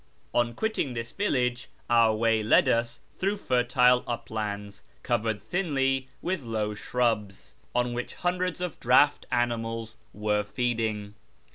On qiiittinji: tliis villa<4e our way led us tlirou^di fertile uplands covered thinly with low shrubs, on which hundreds of draught camels were feeding.